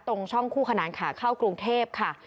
ตรงช่องคู่ขนานขาเข้ากรุงเทพค่ะ